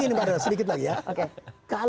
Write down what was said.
saya mau tanya ke mas datta masat